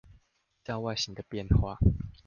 依照外形的變化